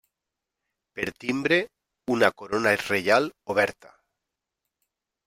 Per timbre, una corona reial oberta.